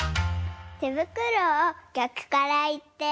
てぶくろをぎゃくからいって。